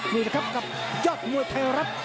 นี่นะครับกับยอดมวยไทยรัฐ